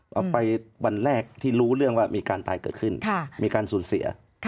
เอาไปวันแรกที่รู้เรื่องว่ามีการตายเกิดขึ้นมีการสูญเสีย